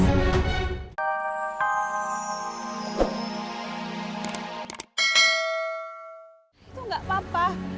itu gak apa apa